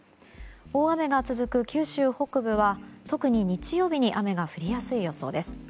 大雨が続く九州北部は特に日曜日に雨が降りやすい予想です。